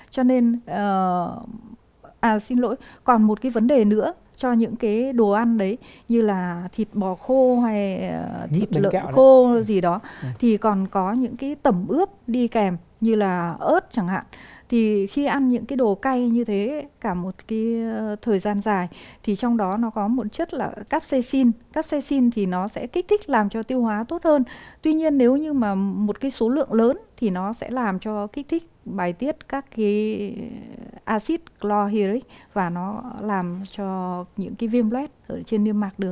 cho nên à xin lỗi còn một cái vấn đề nữa cho những cái đồ ăn đấy như là thịt bò khô hay thịt lợn khô